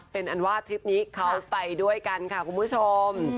เป็นอันว่าทริปนี้เขาไปด้วยกันค่ะคุณผู้ชม